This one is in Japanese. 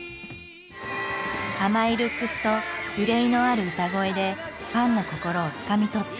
甘いルックスと愁いのある歌声でファンの心をつかみ取った。